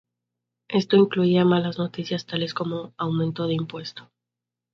Esto incluía malas noticias tales como aumento de impuesto.